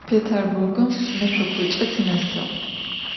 Pêtêrburgım meş'okuç'e tınesığ.